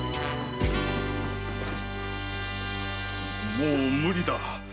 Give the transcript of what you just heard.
もう無理だ。